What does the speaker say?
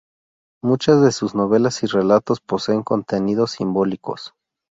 Muchas de sus novelas y relatos poseen contenidos simbólicos.